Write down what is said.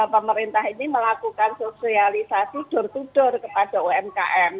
pemerintah ini melakukan sosialisasi door to door kepada umkm